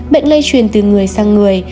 bệnh lây truyền từ người sang người